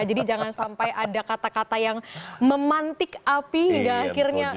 jadi jangan sampai ada kata kata yang memantik api hingga akhirnya